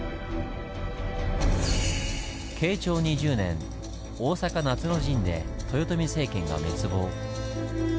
慶長２０年大坂夏の陣で豊臣政権が滅亡。